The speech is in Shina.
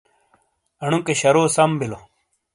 انوکے شارو سَم بِیلو۔